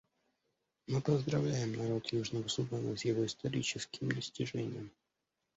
Мы поздравляем народ Южного Судана с его историческим достижением.